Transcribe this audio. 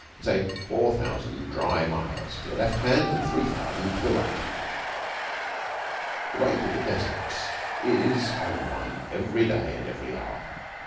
Say four thousand dry miles to the left hand and three thousand to the right. The weight of the Desert is on one, every day and every hour.